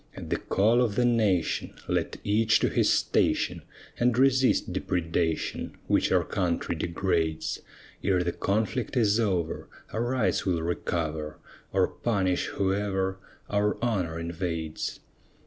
At the call of the nation, Let each to his station, And resist depredation, Which our country degrades; Ere the conflict is over, Our rights we'll recover, Or punish whoever Our honor invades.